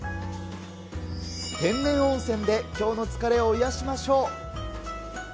天然温泉できょうの疲れを癒しましょう。